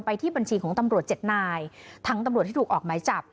ที่บัญชีของตำรวจเจ็ดนายทั้งตำรวจที่ถูกออกหมายจับ